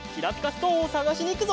ストーンをさがしにいくぞ！